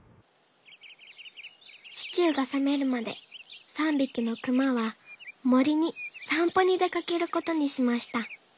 シチューがさめるまで３びきのくまはもりにさんぽにでかけることにしました。